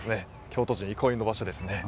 京都人憩いの場所ですね。